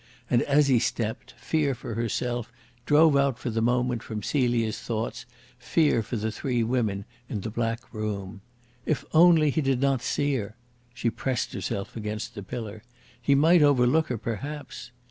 And, as he stepped, fear for herself drove out for the moment from Celia's thoughts fear for the three women in the black room. If only he did not see her! She pressed herself against the pillar. He might overlook her, perhaps!